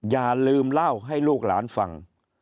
อย่าลืมเล่าให้ลูกหลานฟัง